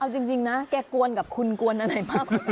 จริงนะแกกวนกับคุณกวนน้อยไหนมาก